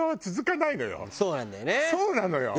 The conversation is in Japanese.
そうなのよ。